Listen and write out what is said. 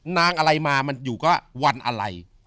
นางอะไรมามันอยู่ก็วันอะไร